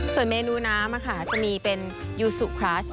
ส่วนเมนูน้ำจะมีเป็นยูสุคลัช